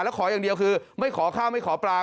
แล้วขออย่างเดียวคือไม่ขอข้าวไม่ขอปลา